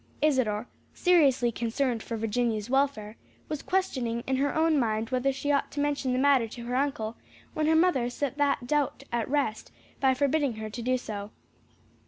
Isadore, seriously concerned for Virginia's welfare, was questioning in her own mind whether she ought to mention the matter to her uncle, when her mother set that doubt at rest by forbidding her to do so.